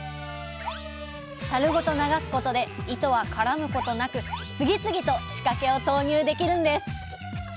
たるごと流すことで糸は絡むことなく次々と仕掛けを投入できるんです。